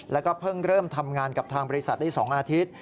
แล้วก็เพิ่งเริ่มทำงานกับทางบริษัทได้๒อาทิตย์